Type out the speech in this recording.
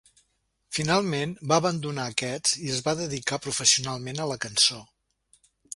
Finalment, va abandonar aquests i es va dedicar professionalment a la cançó.